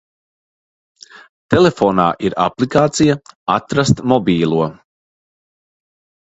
Telefonā ir aplikācija "Atrast mobilo".